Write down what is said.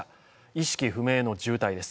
意識不明の重体です。